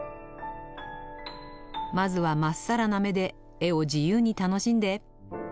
「まずはまっさらな目で絵を自由に楽しんで！」。